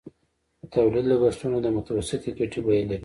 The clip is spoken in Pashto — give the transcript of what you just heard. د تولید لګښتونه د متوسطې ګټې بیه لري